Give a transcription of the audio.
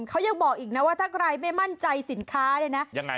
เขายังบอกอีกนะว่าถ้าใครไม่มั่นใจสินค้าเนี่ยนะยังไง